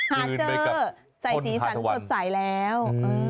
หาเจอใส่สีสันสดใสแล้ว